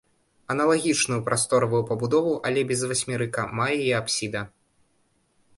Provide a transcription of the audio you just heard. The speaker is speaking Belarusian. Аналагічную прасторавую пабудову, але без васьмерыка, мае і апсіда.